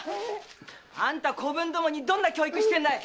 あんた子分どもにどんな教育してるんだい！